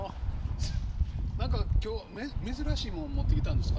何か今日珍しいもん持ってきたんですか？